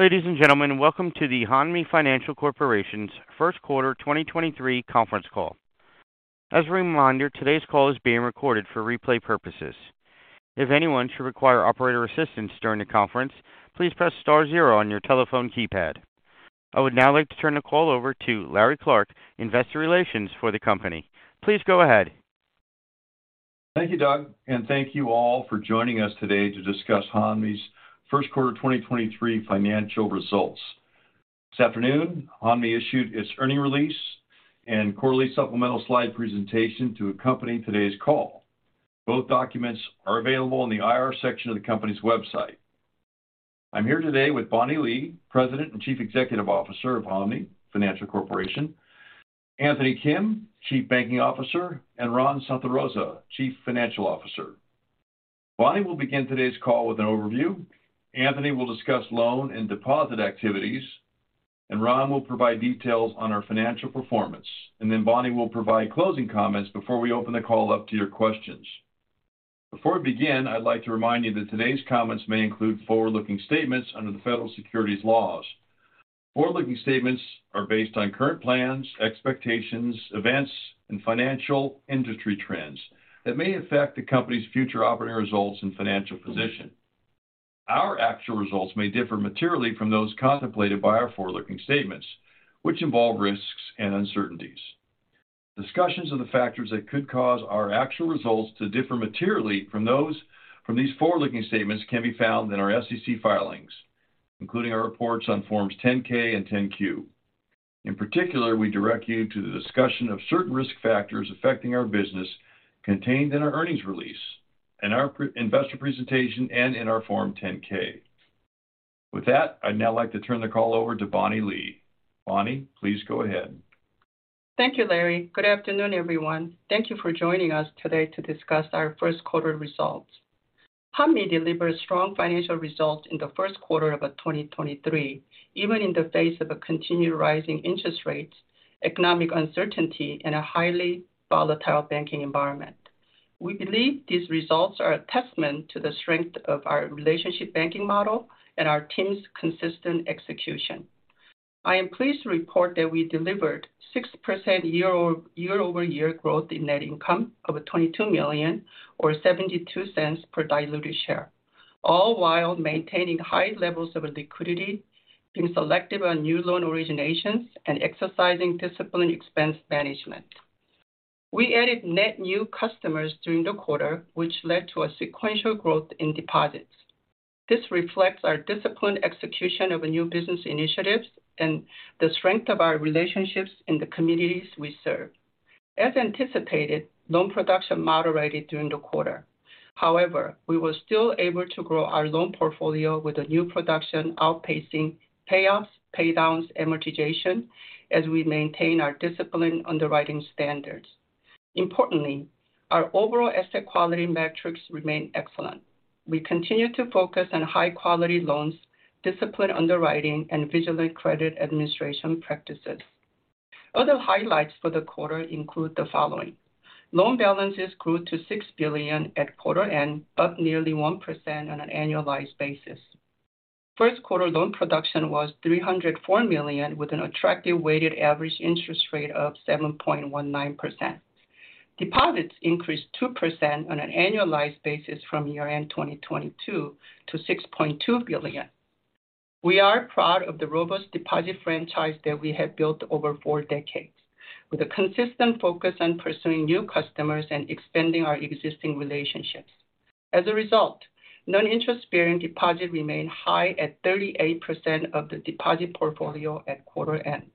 Ladies and gentlemen, welcome to the Hanmi Financial Corporation's first quarter 2023 conference call. As a reminder, today's call is being recorded for replay purposes. If anyone should require operator assistance during the conference, please press star 0 on your telephone keypad. I would now like to turn the call over to Larry Clark, Investor Relations for the company. Please go ahead. Thank you, Doug, and thank you all for joining us today to discuss Hanmi's first quarter 2023 financial results. This afternoon, Hanmi issued its earning release and quarterly supplemental slide presentation to accompany today's call. Both documents are available in the IR section of the company's website. I'm here today with Bonnie Lee, President and Chief Executive Officer of Hanmi Financial Corporation, Anthony Kim, Chief Banking Officer, and Ron Santarosa, Chief Financial Officer. Bonnie will begin today's call with an overview. Anthony will discuss loan and deposit activities. Ron will provide details on our financial performance. Bonnie will provide closing comments before we open the call up to your questions. Before we begin, I'd like to remind you that today's comments may include forward-looking statements under the federal securities laws. Forward-looking statements are based on current plans, expectations, events, and financial industry trends that may affect the company's future operating results and financial position. Our actual results may differ materially from those contemplated by our forward-looking statements, which involve risks and uncertainties. Discussions of the factors that could cause our actual results to differ materially from these forward-looking statements can be found in our SEC filings, including our reports on Forms 10-K and 10-Q. In particular, we direct you to the discussion of certain risk factors affecting our business contained in our earnings release and our investor presentation and in our Form 10-K. With that, I'd now like to turn the call over to Bonnie Lee. Bonnie, please go ahead. Thank you, Larry. Good afternoon, everyone. Thank you for joining us today to discuss our first quarter results. Hanmi delivered strong financial results in the first quarter of 2023, even in the face of a continued rising interest rates, economic uncertainty, and a highly volatile banking environment. We believe these results are a testament to the strength of our relationship banking model and our team's consistent execution. I am pleased to report that we delivered 6% year-over-year growth in net income of $22 million or $0.72 per diluted share, all while maintaining high levels of liquidity, being selective on new loan originations, and exercising disciplined expense management. We added net new customers during the quarter, which led to a sequential growth in deposits. This reflects our disciplined execution of new business initiatives and the strength of our relationships in the communities we serve. As anticipated, loan production moderated during the quarter. We were still able to grow our loan portfolio with the new production outpacing payoffs, pay downs, amortization as we maintain our disciplined underwriting standards. Importantly, our overall asset quality metrics remain excellent. We continue to focus on high-quality loans, disciplined underwriting, and vigilant credit administration practices. Other highlights for the quarter include the following. Loan balances grew to $6 billion at quarter end, up nearly 1% on an annualized basis. First quarter loan production was $304 million with an attractive weighted average interest rate of 7.19%. Deposits increased 2% on an annualized basis from year-end 2022 to $6.2 billion. We are proud of the robust deposit franchise that we have built over four decades with a consistent focus on pursuing new customers and expanding our existing relationships. Non-interest bearing deposit remained high at 38% of the deposit portfolio at quarter end.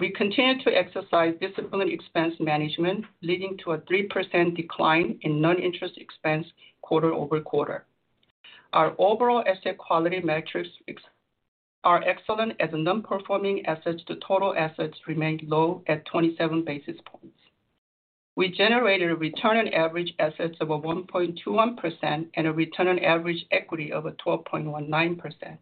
We continue to exercise disciplined expense management, leading to a 3% decline in non-interest expense quarter-over-quarter. Our overall asset quality metrics are excellent as non-performing assets to total assets remained low at 27 basis points. We generated a return on average assets of 1.21% and a return on average equity of 12.19%.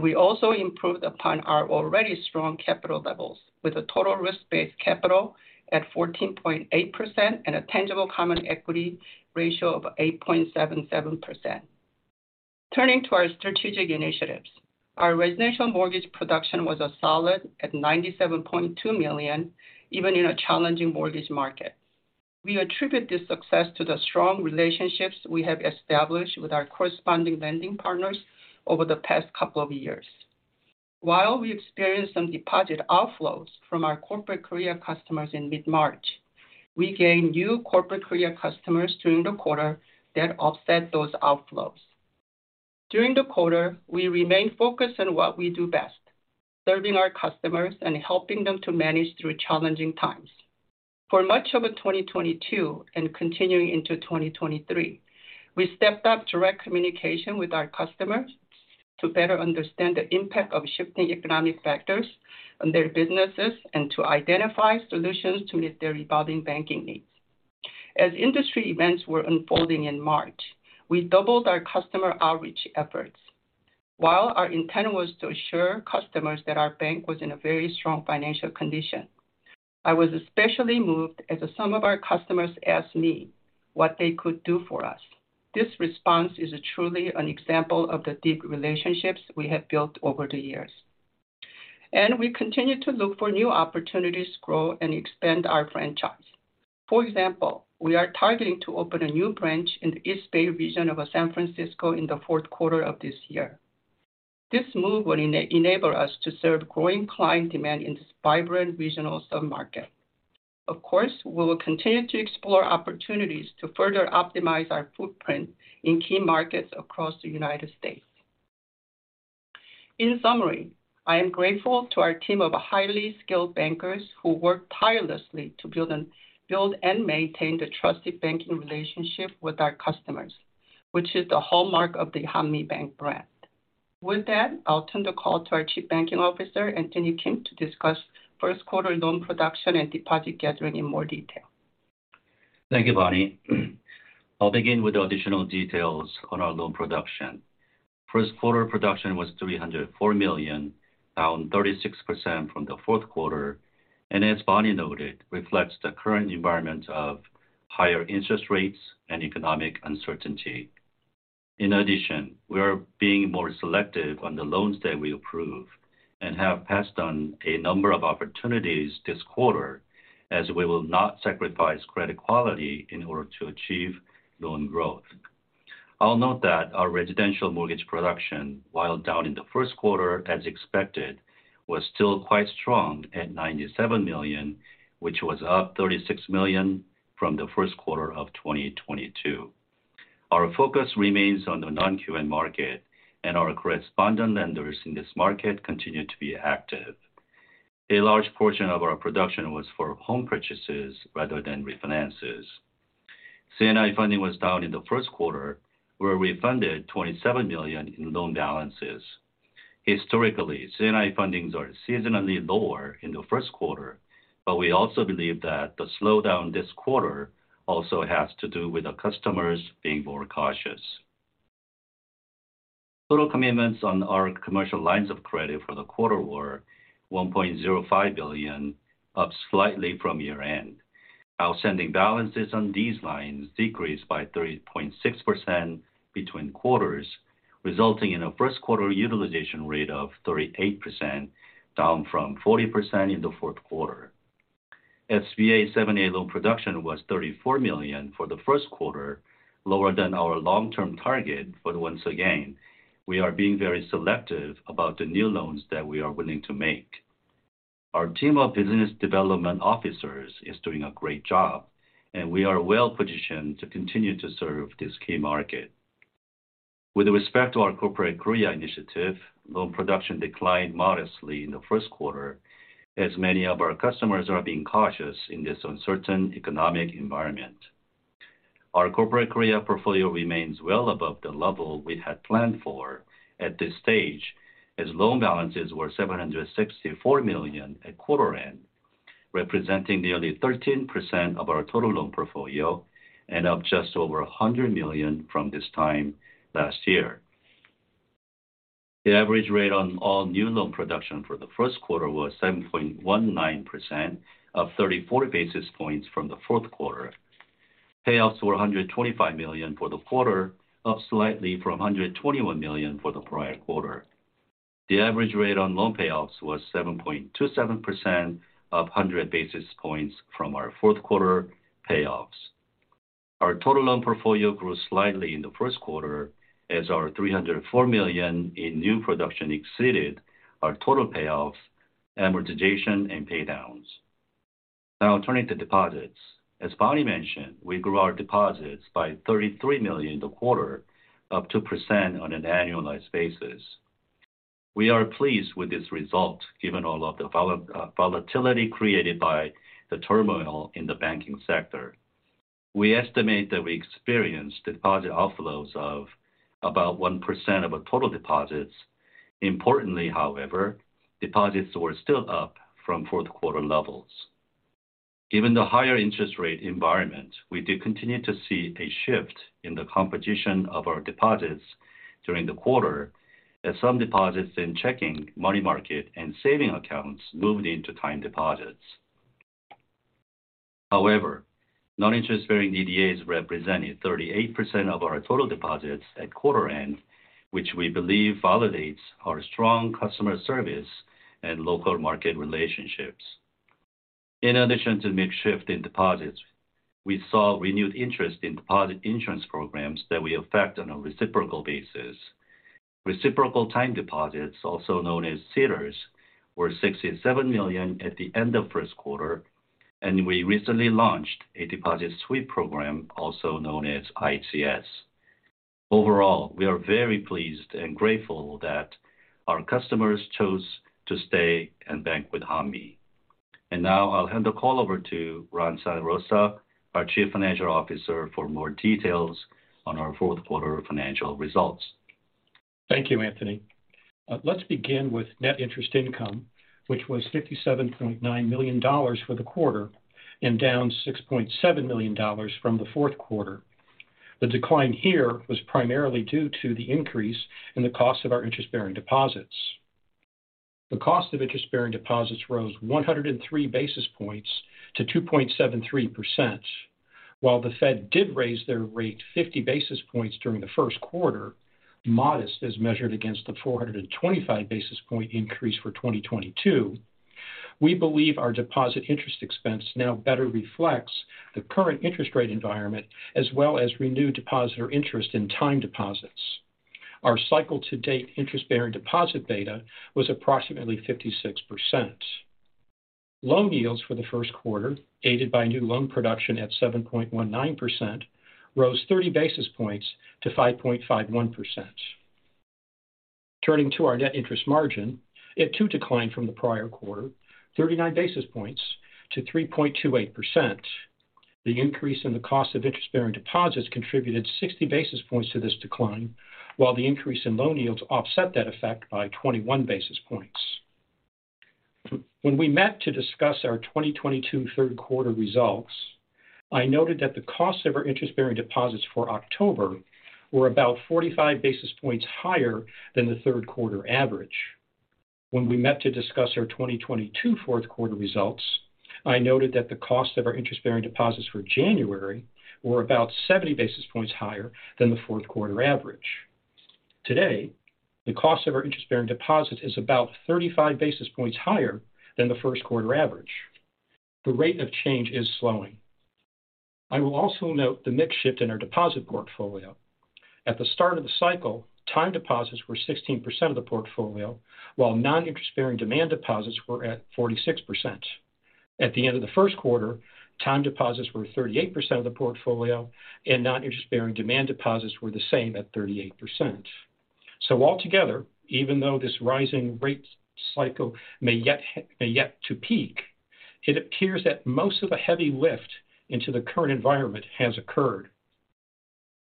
We also improved upon our already strong capital levels with a total risk-based capital at 14.8% and a tangible common equity ratio of 8.77%. Turning to our strategic initiatives, our residential mortgage production was a solid $97.2 million, even in a challenging mortgage market. We attribute this success to the strong relationships we have established with our corresponding lending partners over the past couple of years. While we experienced some deposit outflows from our Corporate Korea customers in mid-March, we gained new Corporate Korea customers during the quarter that offset those outflows. During the quarter, we remained focused on what we do best, serving our customers and helping them to manage through challenging times. For much of 2022 and continuing into 2023, we stepped up direct communication with our customers to better understand the impact of shifting economic factors on their businesses and to identify solutions to meet their evolving banking needs. As industry events were unfolding in March, we doubled our customer outreach efforts. While our intent was to assure customers that our bank was in a very strong financial condition. I was especially moved as some of our customers asked me what they could do for us. This response is truly an example of the deep relationships we have built over the years. We continue to look for new opportunities to grow and expand our franchise. For example, we are targeting to open a new branch in the East Bay region of San Francisco in the fourth quarter of this year. This move will enable us to serve growing client demand in this vibrant regional submarket. Of course, we will continue to explore opportunities to further optimize our footprint in key markets across the United States. In summary, I am grateful to our team of highly skilled bankers who work tirelessly to build and maintain the trusted banking relationship with our customers, which is the hallmark of the Hanmi Bank brand. With that, I'll turn the call to our Chief Banking Officer, Anthony Kim, to discuss first quarter loan production and deposit gathering in more detail. Thank you, Bonnie. I'll begin with the additional details on our loan production. First quarter production was $304 million, down 36% from the fourth quarter. As Bonnie noted, reflects the current environment of higher interest rates and economic uncertainty. In addition, we are being more selective on the loans that we approve and have passed on a number of opportunities this quarter, as we will not sacrifice credit quality in order to achieve loan growth. I'll note that our residential mortgage production, while down in the first quarter as expected, was still quite strong at $97 million, which was up $36 million from the first quarter of 2022. Our focus remains on the non-QM market. Our correspondent lenders in this market continue to be active. A large portion of our production was for home purchases rather than refinances. C&I funding was down in the first quarter, where we funded $27 million in loan balances. Historically, C&I fundings are seasonally lower in the first quarter. We also believe that the slowdown this quarter also has to do with our customers being more cautious. Total commitments on our commercial lines of credit for the quarter were $1.05 billion, up slightly from year-end. Outstanding balances on these lines decreased by 3.6% between quarters, resulting in a first quarter utilization rate of 38%, down from 40% in the fourth quarter. SBA 7(a) loan production was $34 million for the first quarter, lower than our long-term target. Once again, we are being very selective about the new loans that we are willing to make. Our team of business development officers is doing a great job, and we are well-positioned to continue to serve this key market. With respect to our Corporate Korea initiative, loan production declined modestly in the first quarter, as many of our customers are being cautious in this uncertain economic environment. Our Corporate Korea portfolio remains well above the level we had planned for at this stage, as loan balances were $764 million at quarter end, representing nearly 13% of our total loan portfolio and up just over $100 million from this time last year. The average rate on all new loan production for the first quarter was 7.19%, up 34 basis points from the fourth quarter. Payoffs were $125 million for the quarter, up slightly from $121 million for the prior quarter. The average rate on loan payoffs was 7.27%, up 100 basis points from our fourth quarter payoffs. Our total loan portfolio grew slightly in the first quarter as our $304 million in new production exceeded our total payoffs, amortization, and paydowns. Turning to deposits. As Bonnie mentioned, we grew our deposits by $33 million in the quarter, up 2% on an annualized basis. We are pleased with this result, given all of the volatility created by the turmoil in the banking sector. We estimate that we experienced deposit outflows of about 1% of our total deposits. Importantly, however, deposits were still up from fourth quarter levels. Given the higher interest rate environment, we do continue to see a shift in the composition of our deposits during the quarter, as some deposits in checking, money market, and saving accounts moved into time deposits. Non-interest-bearing DDAs represented 38% of our total deposits at quarter end, which we believe validates our strong customer service and local market relationships. In addition to mix shift in deposits, we saw renewed interest in deposit insurance programs that we affect on a reciprocal basis. Reciprocal time deposits, also known as CDARS, were $67 million at the end of first quarter, and we recently launched a deposit sweep program, also known as ICS. We are very pleased and grateful that our customers chose to stay and bank with Hanmi. Now I'll hand the call over to Ron Santarosa, our Chief Financial Officer, for more details on our fourth quarter financial results. Thank you, Anthony. Let's begin with net interest income, which was $57.9 million for the quarter and down $6.7 million from the fourth quarter. The decline here was primarily due to the increase in the cost of our interest-bearing deposits. The cost of interest-bearing deposits rose 103 basis points to 2.73%. While the Fed did raise their rate 50 basis points during the first quarter, modest as measured against the 425 basis point increase for 2022, we believe our deposit interest expense now better reflects the current interest rate environment as well as renewed depositor interest in time deposits. Our cycle to date interest bearing deposit beta was approximately 56%. Loan yields for the first quarter, aided by new loan production at 7.19%, rose 30 basis points to 5.51%. Turning to our net interest margin, it too declined from the prior quarter 39 basis points to 3.28%. The increase in the cost of interest bearing deposits contributed 60 basis points to this decline, while the increase in loan yields offset that effect by 21 basis points. When we met to discuss our 2022 third quarter results, I noted that the cost of our interest bearing deposits for October were about 45 basis points higher than the third quarter average. When we met to discuss our 2022 fourth quarter results, I noted that the cost of our interest bearing deposits for January were about 70 basis points higher than the fourth quarter average. Today, the cost of our interest bearing deposit is about 35 basis points higher than the first quarter average. The rate of change is slowing. I will also note the mix shift in our deposit portfolio. At the start of the cycle, time deposits were 16% of the portfolio while non-interest bearing demand deposits were at 46%. At the end of the first quarter, time deposits were 38% of the portfolio and non-interest bearing demand deposits were the same at 38%. Altogether, even though this rising rate cycle may yet to peak, it appears that most of the heavy lift into the current environment has occurred.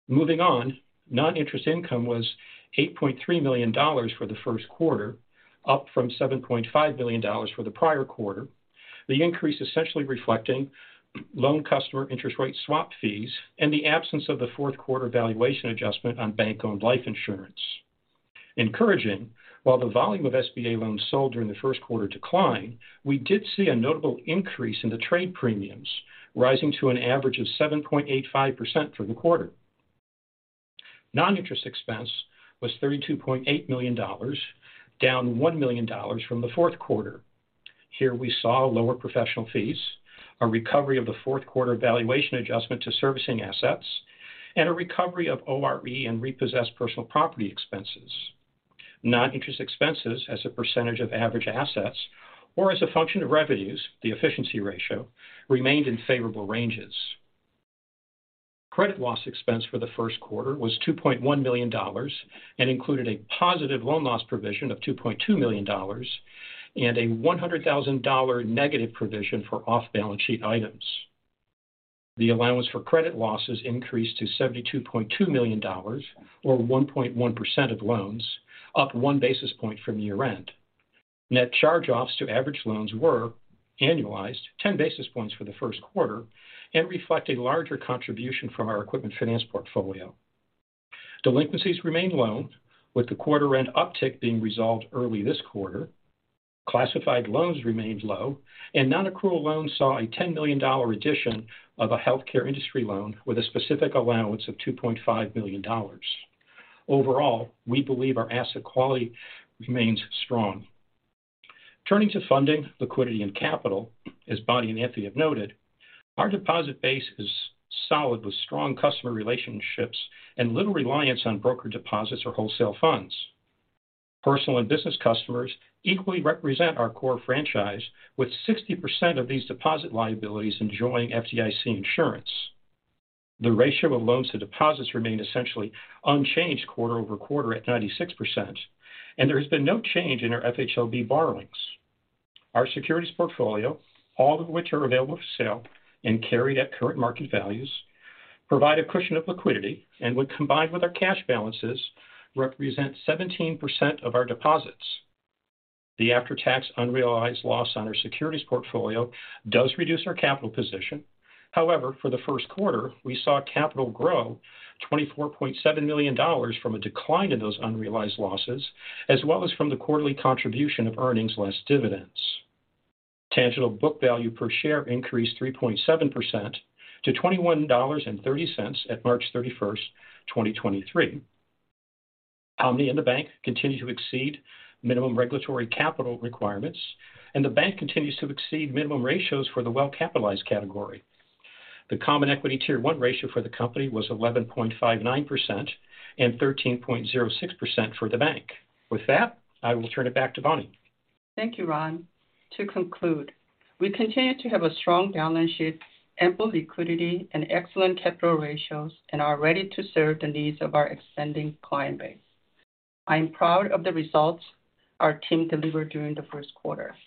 Moving on. Non-interest income was $8.3 million for the first quarter, up from $7.5 million for the prior quarter. The increase essentially reflecting loan customer interest rate swap fees and the absence of the fourth quarter valuation adjustment on bank-owned life insurance. Encouraging, while the volume of SBA loans sold during the first quarter declined, we did see a notable increase in the trade premiums rising to an average of 7.85% for the quarter. Non-interest expense was $32.8 million, down $1 million from the fourth quarter. Here we saw lower professional fees, a recovery of the fourth quarter valuation adjustment to servicing assets, and a recovery of ORE and repossessed personal property expenses. Non-interest expenses as a percentage of average assets or as a function of revenues, the efficiency ratio remained in favorable ranges. Credit loss expense for the first quarter was $2.1 million and included a positive loan loss provision of $2.2 million and a $100,000 negative provision for off balance sheet items. The allowance for credit losses increased to $72.2 million, or 1.1% of loans, up 1 basis point from year end. Net charge offs to average loans were annualized 10 basis points for the first quarter and reflect a larger contribution from our equipment finance portfolio. Delinquencies remained low, with the quarter end uptick being resolved early this quarter. Classified loans remained low and non-accrual loans saw a $10 million addition of a healthcare industry loan with a specific allowance of $2.5 million. Overall, we believe our asset quality remains strong. Turning to funding liquidity and capital as Bonnie and Anthony have noted, our deposit base is solid with strong customer relationships and little reliance on broker deposits or wholesale funds. Personal and business customers equally represent our core franchise with 60% of these deposit liabilities enjoying FDIC insurance. The ratio of loans to deposits remained essentially unchanged quarter-over-quarter at 96% and there has been no change in our FHLB borrowings. Our securities portfolio, all of which are available for sale and carried at current market values, provide a cushion of liquidity and when combined with our cash balances represent 17% of our deposits. The after-tax unrealized loss on our securities portfolio does reduce our capital position. However, for the first quarter we saw capital grow $24.7 million from a decline in those unrealized losses as well as from the quarterly contribution of earnings less dividends. Tangible book value per share increased 3.7% to $21.30 at March thirty-first 2023. Hanmi and the bank continue to exceed minimum regulatory capital requirements and the bank continues to exceed minimum ratios for the well capitalized category. The Common Equity Tier 1 ratio for the company was 11.59% and 13.06% for the bank. With that, I will turn it back to Bonnie. Thank you, Ron. To conclude, we continue to have a strong balance sheet, ample liquidity and excellent capital ratios and are ready to serve the needs of our expanding client base. I am proud of the results our team delivered during the first quarter.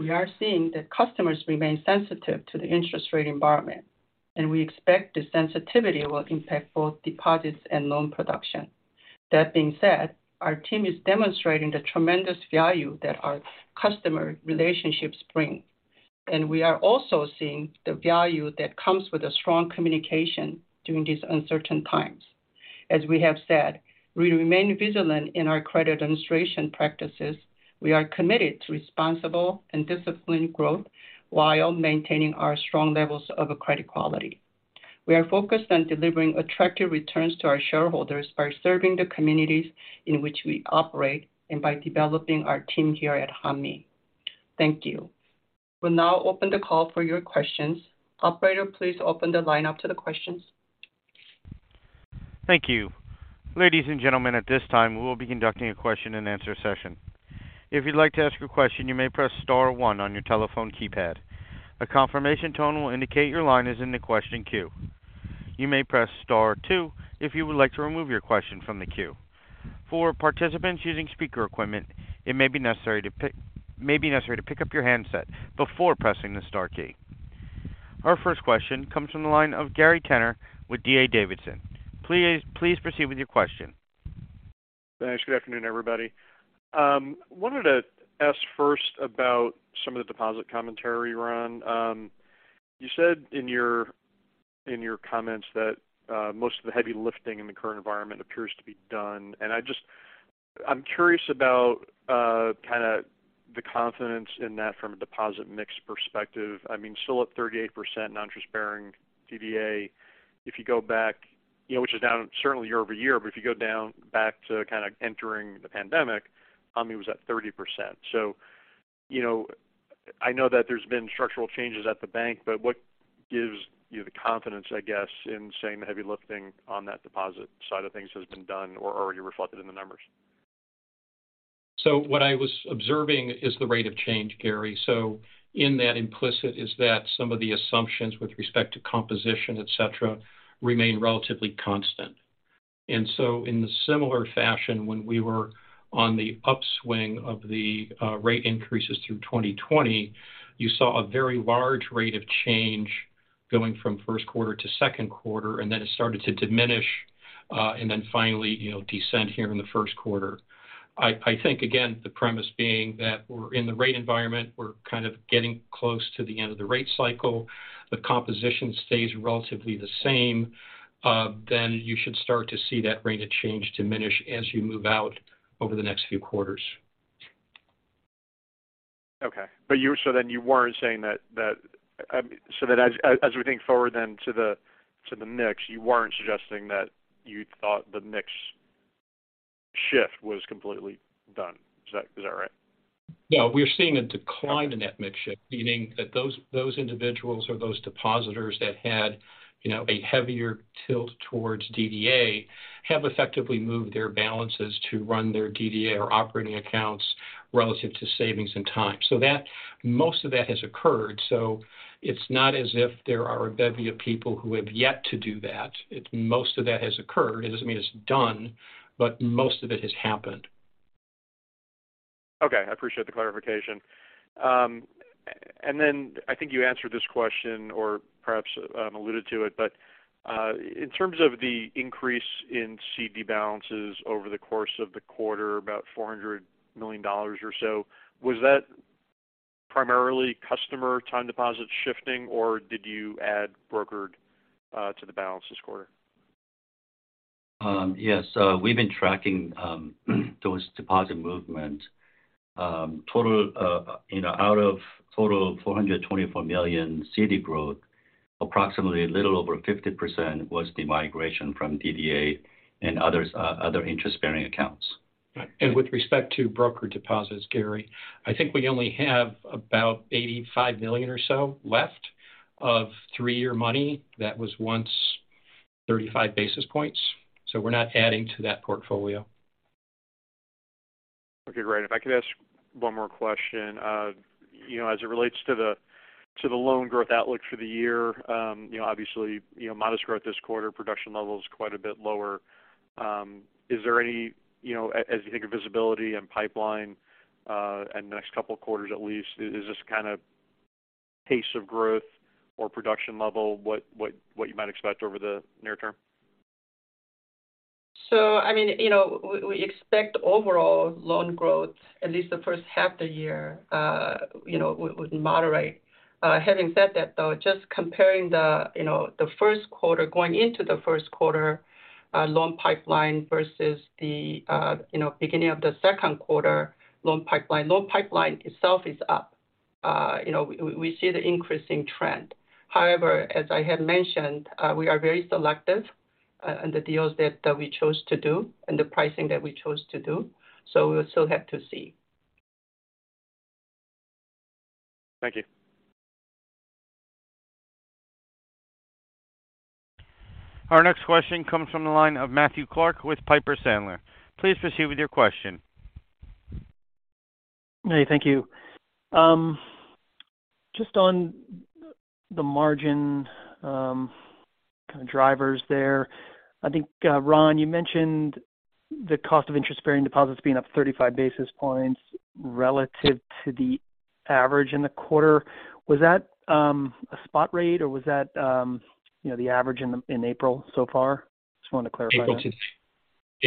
We are seeing that customers remain sensitive to the interest rate environment and we expect the sensitivity will impact both deposits and loan production. That being said, our team is demonstrating the tremendous value that our customer relationships bring. We are also seeing the value that comes with a strong communication during these uncertain times. As we have said, we remain vigilant in our credit administration practices. We are committed to responsible and disciplined growth while maintaining our strong levels of credit quality. We are focused on delivering attractive returns to our shareholders by serving the communities in which we operate and by developing our team here at Hanmi. Thank you. We'll now open the call for your questions. Operator, please open the line up to the questions. Thank you. Ladies and gentlemen, at this time, we will be conducting a question-and-answer session. If you'd like to ask a question, you may press star 1 on your telephone keypad. A confirmation tone will indicate your line is in the question queue. You may press star 2 if you would like to remove your question from the queue. For participants using speaker equipment, it may be necessary to pick up your handset before pressing the star key. Our first question comes from the line of Gary Tenner with D.A. Davidson. Please proceed with your question. Thanks. Good afternoon, everybody. Wanted to ask first about some of the deposit commentary, Ron. You said in your, in your comments that most of the heavy lifting in the current environment appears to be done. I'm curious about kind of the confidence in that from a deposit mix perspective. I mean, still up 38% non-interest-bearing DDA. If you go back, you know, which is down certainly year-over-year, but if you go down back to kind of entering the pandemic, Hanmi was at 30%. You know, I know that there's been structural changes at the bank, but what gives you the confidence, I guess, in saying the heavy lifting on that deposit side of things has been done or already reflected in the numbers? What I was observing is the rate of change, Gary. In that implicit is that some of the assumptions with respect to composition, et cetera, remain relatively constant. In the similar fashion when we were on the upswing of the rate increases through 2020, you saw a very large rate of change going from first quarter to second quarter, and then it started to diminish, and then finally, you know, descend here in the first quarter. I think, again, the premise being that we're in the rate environment, we're kind of getting close to the end of the rate cycle. The composition stays relatively the same. You should start to see that rate of change diminish as you move out over the next few quarters. Okay. You weren't saying that, as we think forward then to the mix, you weren't suggesting that you thought the mix shift was completely done. Is that right? No. We're seeing a decline in that mix shift, meaning that those individuals or those depositors that had, you know, a heavier tilt towards DDA have effectively moved their balances to run their DDA or operating accounts relative to savings and time. Most of that has occurred, so it's not as if there are a bevy of people who have yet to do that. Most of that has occurred. It doesn't mean it's done, but most of it has happened. Okay. I appreciate the clarification. Then I think you answered this question or perhaps, alluded to it, but, in terms of the increase in CD balances over the course of the quarter, about $400 million or so, was that primarily customer time deposits shifting, or did you add brokered, to the balances quarter? Yes. We've been tracking those deposit movement. Total out of total $424 million CD growth, approximately a little over 50% was the migration from DDA and others, other interest-bearing accounts. With respect to broker deposits, Gary, I think we only have about $85 million or so left of 3-year money that was once 35 basis points. We're not adding to that portfolio. Okay, great. If I could ask one more question. You know, as it relates to the loan growth outlook for the year, you know, obviously, you know, modest growth this quarter, production level is quite a bit lower. Is there any, you know, as you think of visibility and pipeline, in the next couple of quarters at least, is this kind of pace of growth or production level what you might expect over the near term? I mean, you know, we expect overall loan growth, at least the first half the year, you know, would moderate. Having said that, though, just comparing the, you know, the first quarter going into the first quarter, loan pipeline versus the, you know, beginning of the second quarter loan pipeline. Loan pipeline itself is up. You know, we see the increasing trend. However, as I had mentioned, we are very selective, in the deals that we chose to do and the pricing that we chose to do. We'll still have to see. Thank you. Our next question comes from the line of Matthew Clark with Piper Sandler. Please proceed with your question. Thank you. Just on the margin, kind of drivers there. I think Ron, you mentioned the cost of interest-bearing deposits being up 35 basis points relative to the average in the quarter. Was that a spot rate, or was that, you know, the average in April so far? Just wanted to clarify that.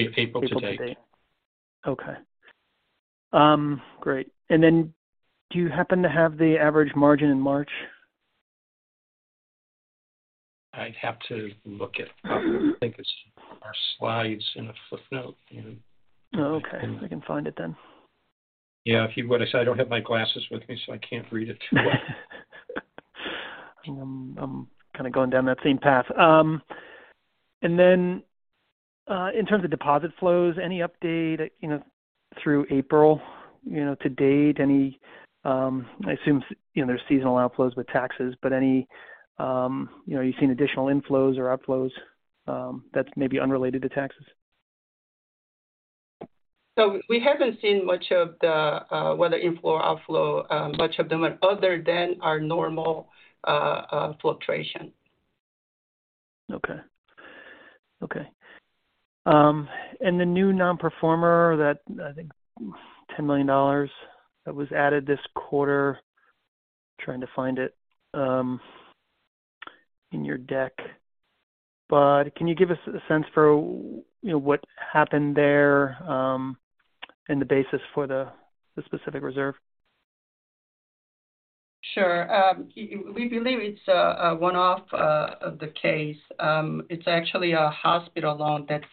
April to date. Okay. great. Then do you happen to have the average margin in March? I'd have to look at, I think it's our slides in a footnote. Okay. I can find it then. Yeah. If you would. I said I don't have my glasses with me. I can't read it too well. I'm kind of going down that same path. In terms of deposit flows, any update, you know, through April, you know, to date? Any, I assume you know, there's seasonal outflows with taxes, but any, you know, you've seen additional inflows or outflows, that's maybe unrelated to taxes? We haven't seen much of the, whether inflow or outflow, much of them other than our normal fluctuation. Okay. Okay. The new non-performer that I think $10 million that was added this quarter. Trying to find it in your deck. Can you give us a sense for, you know, what happened there, and the basis for the specific reserve? Sure. We believe it's a one-off, the case. It's actually a hospital loan that's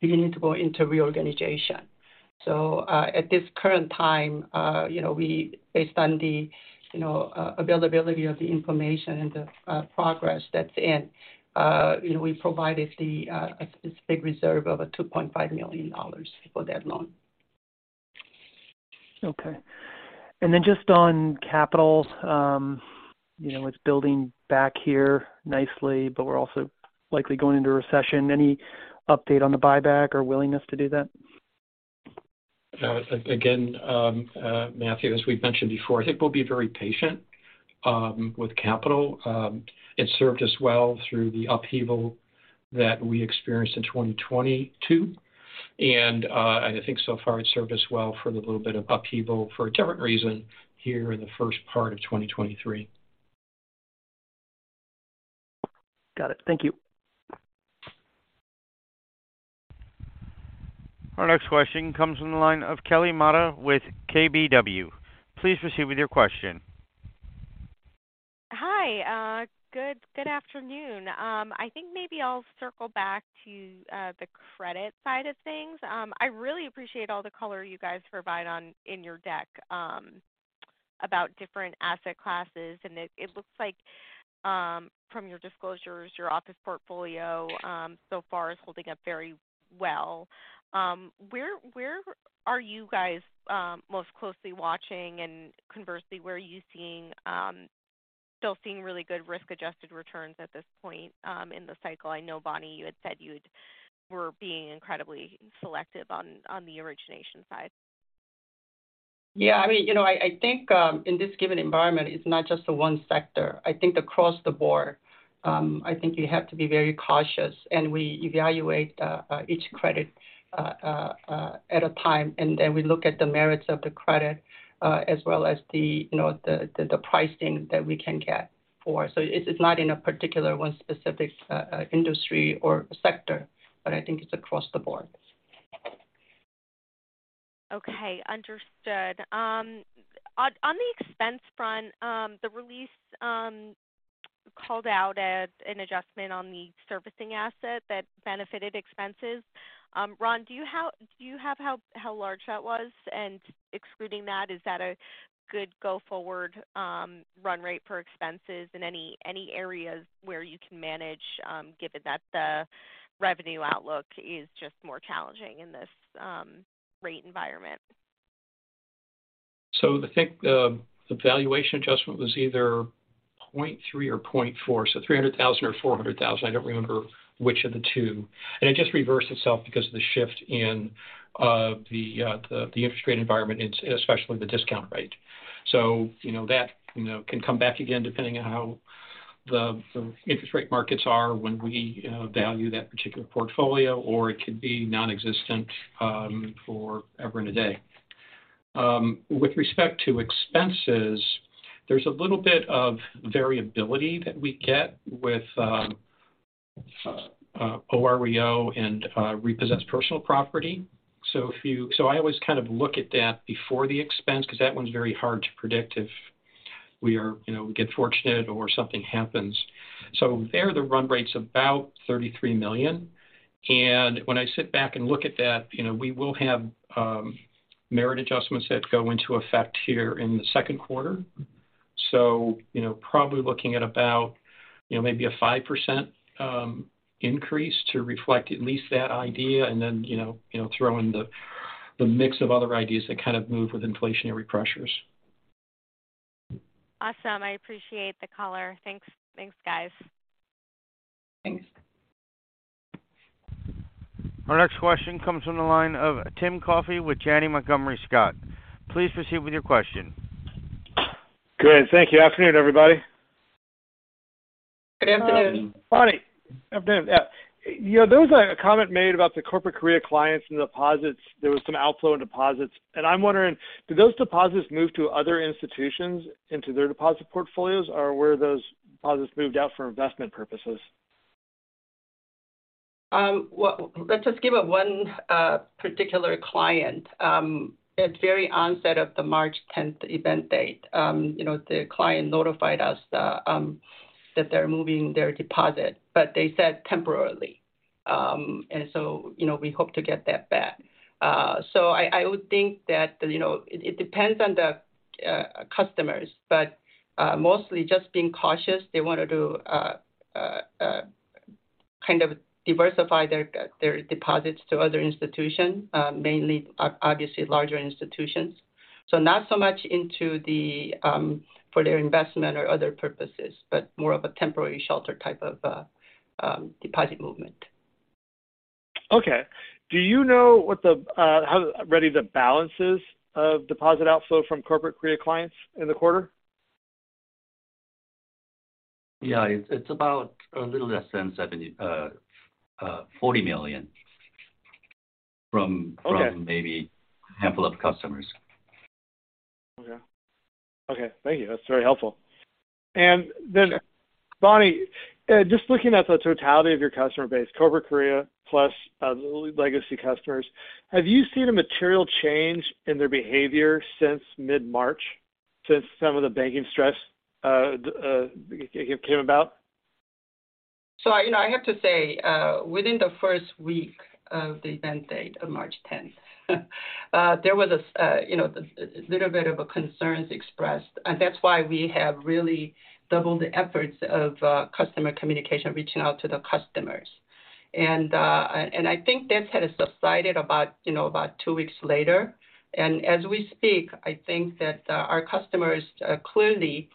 beginning to go into reorganization. At this current time, you know, we based on the, you know, availability of the information and the progress that's in, you know, we provided the a specific reserve of $2.5 million for that loan. Okay. Just on capital, you know, it's building back here nicely, but we're also likely going into recession. Any update on the buyback or willingness to do that? Again, Matthew, as we've mentioned before, I think we'll be very patient with capital. It served us well through the upheaval that we experienced in 2022. I think so far it served us well for the little bit of upheaval for a different reason here in the first part of 2023. Got it. Thank you. Our next question comes from the line of Kelly Motta with KBW. Please proceed with your question. Hi. Good afternoon. I think maybe I'll circle back to the credit side of things. I really appreciate all the color you guys provide in your deck, about different asset classes. It, it looks like, from your disclosures, your office portfolio, so far is holding up very well. Where are you guys, most closely watching? Conversely, where are you seeing, still seeing really good risk-adjusted returns at this point, in the cycle? I know, Bonnie, you were being incredibly selective on the origination side. Yeah. I mean, you know, I think, in this given environment, it's not just the one sector. I think across the board, I think you have to be very cautious. We evaluate each credit at a time. Then we look at the merits of the credit, as well as the, you know, the pricing that we can get for. It's, it's not in a particular one specific industry or sector, but I think it's across the board. Okay. Understood. On the expense front, the release called out as an adjustment on the servicing asset that benefited expenses. Ron, do you have how large that was? Excluding that, is that a good go forward run rate for expenses? Any areas where you can manage, given that the revenue outlook is just more challenging in this rate environment? I think the valuation adjustment was either 0.3 or 0.4, so $300,000 or $400,000. I don't remember which of the two. It just reversed itself because of the shift in the interest rate environment, especially the discount rate. You know, that, you know, can come back again depending on how the interest rate markets are when we value that particular portfolio, or it could be nonexistent for ever and a day. With respect to expenses, there's a little bit of variability that we get with OREO and repossessed personal property. I always kind of look at that before the expense because that one's very hard to predict if we are, you know, we get fortunate or something happens. There the run rate's about $33 million. When I sit back and look at that, you know, we will have merit adjustments that go into effect here in the second quarter. you know, probably looking at about, you know, maybe a 5% increase to reflect at least that idea. you know, throw in the mix of other ideas that kind of move with inflationary pressures. Awesome. I appreciate the color. Thanks. Thanks, guys. Thanks. Our next question comes from the line of Tim Coffey with Janney Montgomery Scott. Please proceed with your question. Great. Thank you. Afternoon, everybody. Good afternoon. Bonnie, afternoon. Yeah. You know, there was a comment made about the Corporate Korea clients and deposits. There was some outflow in deposits. I'm wondering, do those deposits move to other institutions into their deposit portfolios, or were those deposits moved out for investment purposes? Well, let's just give a one particular client. At very onset of the March tenth event date, you know, the client notified us that they're moving their deposit, but they said temporarily. So, you know, we hope to get that back. I would think that, you know, it depends on the customers, but mostly just being cautious. They wanted to kind of diversify their deposits to other institutions, mainly obviously larger institutions. Not so much into the for their investment or other purposes, but more of a temporary shelter type of deposit movement. Okay. Do you know what the, how ready the balance is of deposit outflow from Corporate Korea clients in the quarter? Yeah, it's about a little less than $40 million from- Okay. From maybe a handful of customers. Okay. Okay, thank you. That's very helpful. Then, Bonnie, just looking at the totality of your customer base, Corporate Korea plus, legacy customers, have you seen a material change in their behavior since mid-March, since some of the banking stress came about? You know, I have to say, within the first week of the event date of March tenth, there was a, you know, a little bit of a concerns expressed, and that's why we have really doubled the efforts of customer communication, reaching out to the customers. And I think that had subsided about, you know, about two weeks later. As we speak, I think that our customers clearly,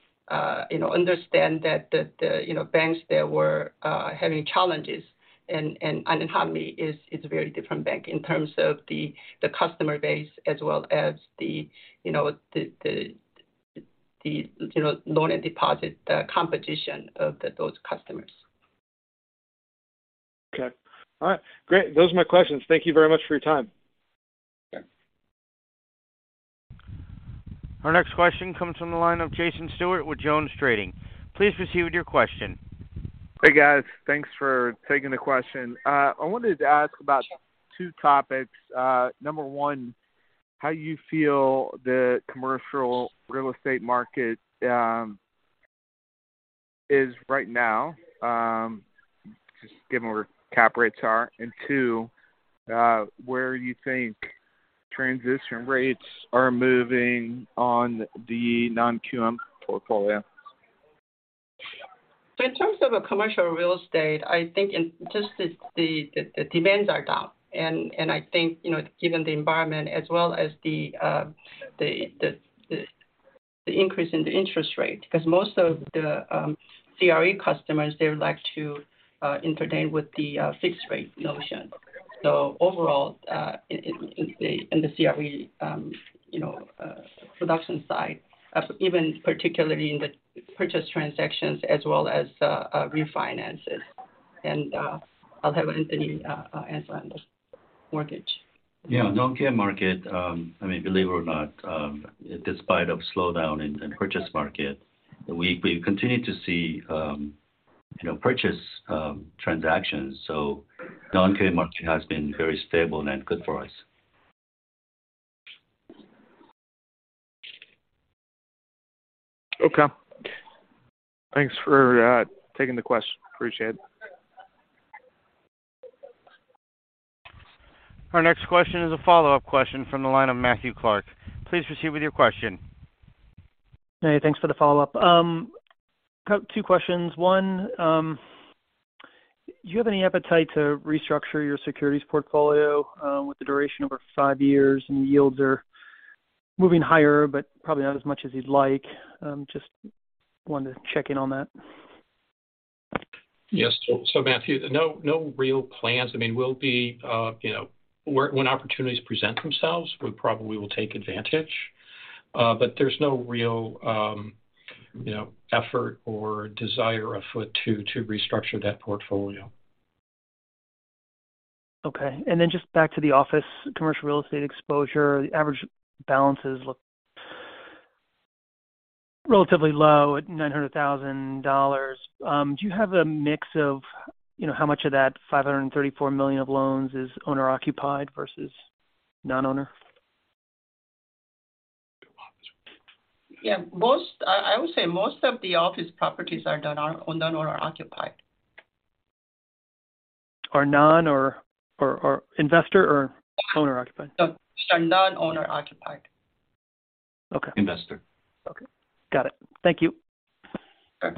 you know, understand that the, you know, banks there were having challenges and Hanmi is a very different bank in terms of the customer base as well as the, you know, the loan and deposit competition of those customers. Okay. All right. Great. Those are my questions. Thank you very much for your time. Okay. Our next question comes from the line of Jason Stewart with Jones Trading. Please proceed with your question. Hey, guys. Thanks for taking the question. I wanted to ask about two topics. Number one, how you feel the commercial real estate market is right now, just given where cap rates are. Two, where you think transition rates are moving on the non-QM portfolio. In terms of a commercial real estate, I think in just the demands are down. I think, you know, given the environment as well as the increase in the interest rate, because most of the CRE customers, they would like to entertain with the fixed rate notion. Overall, in the CRE, you know, production side, even particularly in the purchase transactions as well as refinances. I'll have Anthony answer on the mortgage. Yeah, non-QM market, I mean, believe it or not, despite of slowdown in the purchase market, we've continued to see, you know, purchase, transactions. Non-QM market has been very stable and good for us. Okay. Thanks for taking the question. Appreciate it. Our next question is a follow-up question from the line of Matthew Clark. Please proceed with your question. Hey, thanks for the follow-up. Two questions. One, do you have any appetite to restructure your securities portfolio, with the duration over 5 years, and yields are moving higher, but probably not as much as you'd like? Just wanted to check in on that. Yes. Matthew, no real plans. I mean, we'll be, you know, when opportunities present themselves, we probably will take advantage. There's no real, you know, effort or desire afoot to restructure that portfolio. Just back to the office commercial real estate exposure, the average balance is look relatively low at $900,000. Do you have a mix of, you know, how much of that $534 million of loans is owner-occupied versus non-owner? Yeah. I would say most of the office properties are owner or occupied. Are non or investor or owner-occupied? No. Are non-owner occupied. Okay. Investor. Okay. Got it. Thank you. Okay.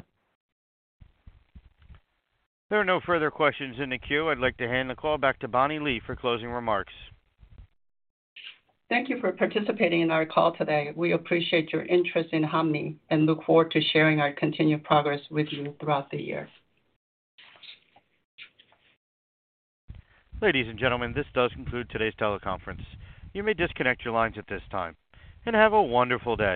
There are no further questions in the queue. I'd like to hand the call back to Bonnie Lee for closing remarks. Thank you for participating in our call today. We appreciate your interest in Hanmi and look forward to sharing our continued progress with you throughout the year. Ladies and gentlemen, this does conclude today's teleconference. You may disconnect your lines at this time. Have a wonderful day.